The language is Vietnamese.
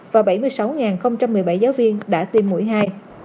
hãy đăng ký kênh để ủng hộ kênh của mình nhé